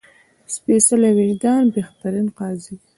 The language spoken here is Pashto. سپېڅلی وجدان بهترین قاضي ده